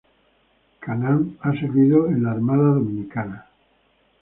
Canaán ha servido en la Armada Dominicana.